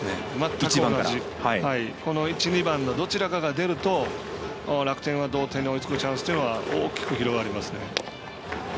１、２番のどちらかが出ると楽天は同点に追いつくチャンスが大きく広がりますね。